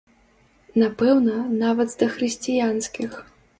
Напэўна, нават з дахрысціянскіх.